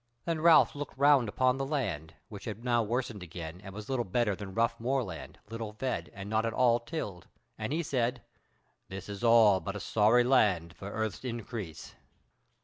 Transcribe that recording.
Then Ralph looked round upon the land, which had now worsened again, and was little better than rough moorland, little fed, and not at all tilled, and he said: "This is but a sorry land for earth's increase."